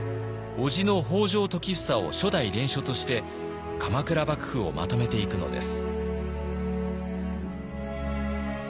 叔父の北条時房を初代連署として鎌倉幕府をまとめていくのです。